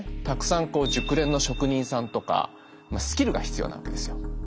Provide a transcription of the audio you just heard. たくさん熟練の職人さんとかスキルが必要なわけですよ。